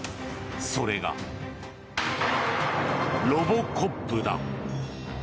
それがロボコップだ。